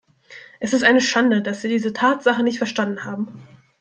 Es ist eine Schande, dass Sie diese Tatsache nicht verstanden haben.